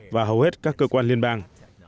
và hầu hết các cơ quan liên bang